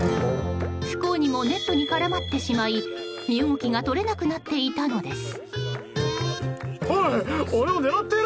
不幸にもネットに絡まってしまい身動きが取れなくなっていたのです。